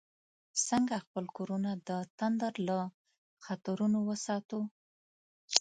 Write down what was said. څنګه خپل کورونه د تندر له خطرونو وساتو؟